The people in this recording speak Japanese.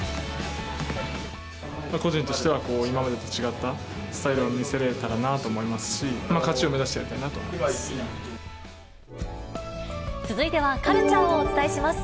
個人としては、今までと違ったスタイルを見せれたらなと思いますし、勝ちを目指してやりたいなと思います。